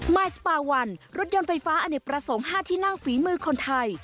ยสปาวันรถยนต์ไฟฟ้าอเนกประสงค์๕ที่นั่งฝีมือคนไทย